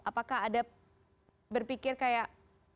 apakah ada berpikir kayak